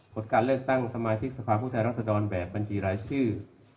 ผลการเลือกตั้งสมาชิกสภาพผู้แทนรัศดรแบบบัญชีรายชื่อ